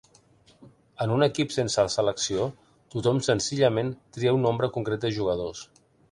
En un equip sense selecció, tothom senzillament tria un nombre concret de jugadors.